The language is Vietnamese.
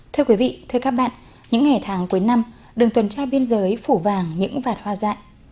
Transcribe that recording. thưa quý vị thưa các bạn những ngày tháng cuối năm đường tuần tra biên giới phủ vàng những vạt hoa dại